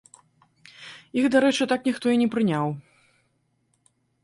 Іх, дарэчы, так ніхто і не прыняў.